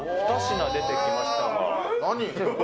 何？